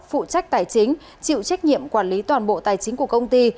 phụ trách tài chính chịu trách nhiệm quản lý toàn bộ tài chính của công ty